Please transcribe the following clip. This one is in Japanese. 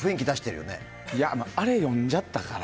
あれ読んじゃったから。